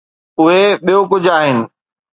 اهي ٻيو ڪجهه آهن.